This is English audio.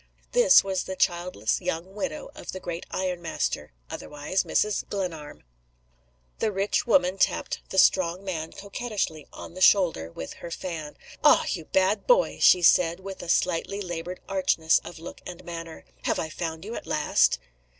This was the childless young widow of the great ironmaster otherwise, Mrs. Glenarm. The rich woman tapped the strong man coquettishly on the shoulder with her fan. "Ah! you bad boy!" she said, with a slightly labored archness of look and manner. "Have I found you at last?"